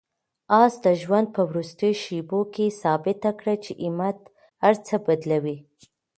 آس د ژوند په وروستیو شېبو کې ثابته کړه چې همت هر څه بدلوي.